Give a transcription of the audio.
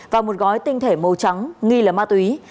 và một gói tinh thể màu trắng nghi là ma túy